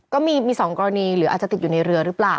ก็มี๒กรณีหรืออาจจะติดอยู่ในเรือหรือเปล่า